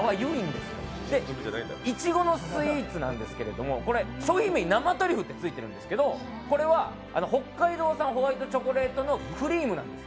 いちごのスイーツなんですけれども、商品名に生トリュフってついてるんですけどこれは北海道産ホワイトチョコレートのクリームなんです。